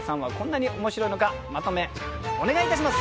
まとめお願いいたします！